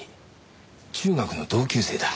中学の同級生だ。